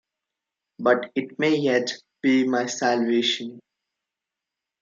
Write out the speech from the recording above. But it may yet be my salvation.